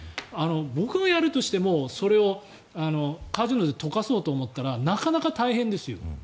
僕がやろうとしてもそれをカジノで溶かそうとしたらなかなか大変ですよ。